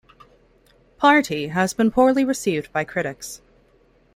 "Party" has been poorly received by critics.